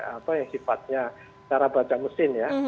apa yang sifatnya cara baca mesin ya